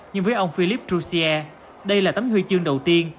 nhưng với ông philippe jouzier đây là tấm huy chương đầu tiên